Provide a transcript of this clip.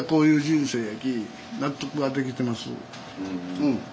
うん。